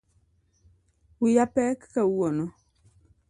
Wiya pek kawuono